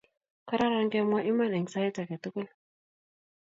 kararan kemwa iman eng sait age tugul